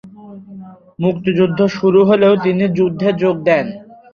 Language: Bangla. মুক্তিযুদ্ধ শুরু হলে তিনি যুদ্ধে যোগ দেন।